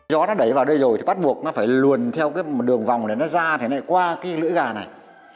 gió nó đẩy vào đây rồi thì bắt buộc nó phải luồn theo cái đường vòng này nó ra thế này qua cái lưỡi gà này